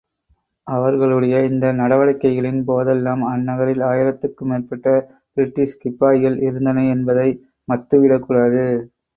அவர்களுடைய இந்த நடவடிக்கைகளின் போதெல்லாம் அந்நகரில் ஆயிரத்துக்கும் மேற்பட்ட பிரிட்டிஷ்கிப்பாய்கள் இருந்தனர் என்பதை மத்துவிடக்கூடாது.